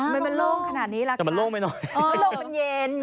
มันโล่งไม่น้อย